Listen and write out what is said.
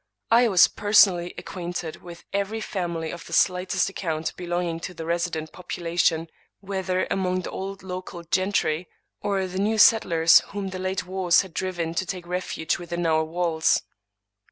I was personally acquainted with every family of the slightest account belonging to the resident population; whether among the old local gentry, or the new settlers whom the late wars had driven to take refuge within our walls.